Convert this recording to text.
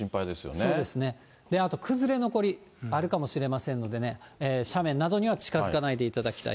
そうですね、あと崩れ残り、あるかもしれませんのでね、斜面などには近づかないでいただきたい。